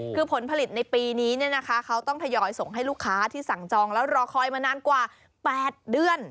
คือผลผลิตในปีนี้เขาต้องทยอยส่งให้ลูกค้าที่สั่งจองแล้วรอคอยมานานกว่า๘เดือน